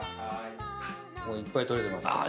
もういっぱい撮れてますから。